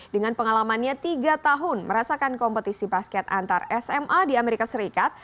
dengan pengalamannya tiga tahun merasakan kompetisi basket antar sma di amerika serikat